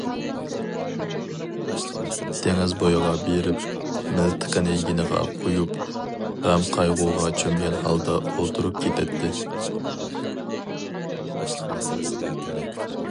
دېڭىز بويىغا بېرىپ، مىلتىقىنى يېنىغا قۇيۇپ، غەم- قايغۇغا چۆمگەن ھالدا ئولتۇرۇپ كېتەتتى.